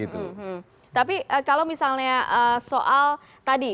tapi kalau misalnya soal tadi